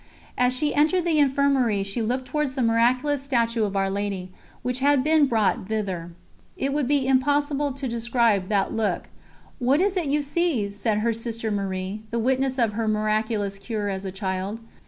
As she entered the Infirmary she looked towards the miraculous statue of Our Lady, which had been brought thither. It would be impossible to describe that look. "What is it you see?" said her sister Marie, the witness of her miraculous cure as a child.